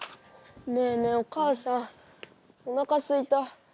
ねえねえ、お母さんおなかすいた。